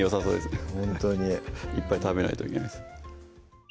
ほんとにいっぱい食べないといけないです